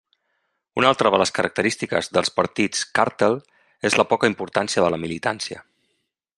Una altra de les característiques dels partits càrtel és la poca importància de la militància.